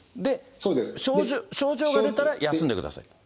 症状が出たら休んでください